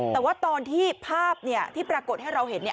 แต่ว่าตอนที่ภาพเนี่ยที่ปรากฏให้เราเห็นเนี่ย